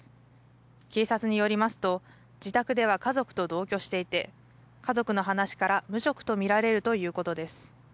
警察によりますと、自宅では家族と同居していて、家族の話から無職と見られるということです。